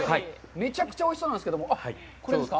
めちゃくちゃおいしそうなんですけども、これですか？